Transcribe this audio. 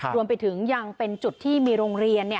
รวมไปถึงยังเป็นจุดที่มีโรงเรียน